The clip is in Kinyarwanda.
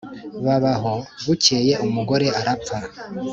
baba aho ,bukeye umugore arapfa.